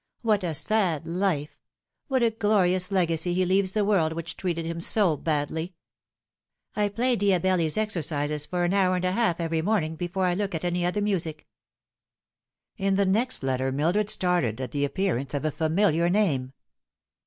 What a sad life what a glorious legacy he leaves the world which treated him so badly 1 " I play Diabelli's exercises for an hour and a half every morning, before I look at any other musict" In the next letter Mildred started at the appearance of a familiar name.